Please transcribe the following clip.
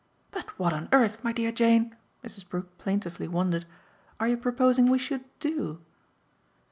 "But what on earth, my dear Jane," Mrs. Brook plaintively wondered, "are you proposing we should do?"